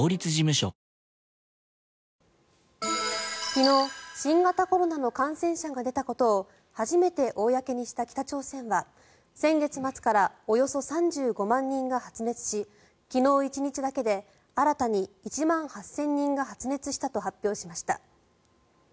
昨日新型コロナの感染者が出たことを初めて公にした北朝鮮は先月末からおよそ３５万人が発熱し昨日１日だけで新たに１万８０００人が発熱したと発表しました。